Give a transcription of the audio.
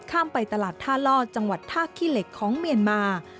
ข้ามไปตลาดท่าลอดจังหวัดท่าขี้เหล็กของเมียนมา